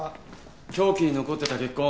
凶器に残ってた血痕